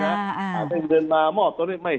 การเงินมามอบต้องการทำวิธี